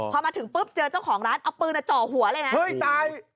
พอมาถึงปุ๊บเจอเจ้าของร้านเอาปืนจ่อหัวเลยนะเฮ้ยตาย